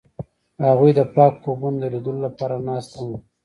هغوی د پاک خوبونو د لیدلو لپاره ناست هم وو.